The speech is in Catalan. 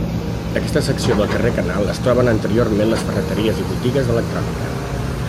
Aquesta secció del carrer Canal es trobaven anteriorment les ferreteries i les botigues d'electrònica.